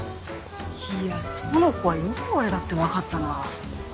いや苑子はよく俺だって分かったな。